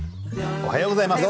おはようございます。